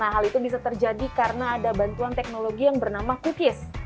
hal itu bisa terjadi karena ada bantuan teknologi yang bernama cookies